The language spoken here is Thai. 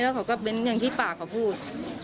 แล้วเขาก็เบ้นอย่างที่ปากเขาพูด